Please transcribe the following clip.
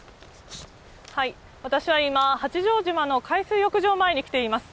私は今、八丈島の海水浴場前に来ています。